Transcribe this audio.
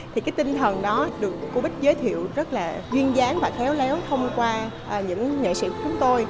thì cái tinh thần đó được cô bích giới thiệu rất là duyên dáng và khéo léo thông qua những nghệ sĩ của chúng tôi